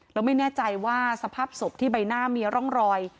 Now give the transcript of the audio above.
แล้วไม่แน่ใจว่าสภาพศพที่ใบหน้ามีร่องรอย